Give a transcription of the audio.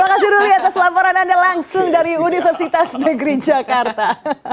terima kasih ruli atas laporan anda langsung dari universitas negeri jakarta